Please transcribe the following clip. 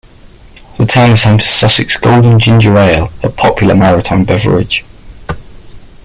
The town is home to Sussex Golden Ginger Ale, a popular maritime beverage.